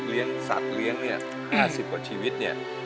สัตว์เลี้ยงเนี่ย๕๐กว่าชีวิตเนี่ย